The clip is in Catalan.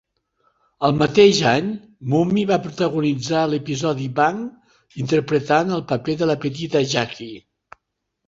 El mateix any, Mumy va protagonitzar a l'episodi Bang! interpretant el paper de la petita Jackie.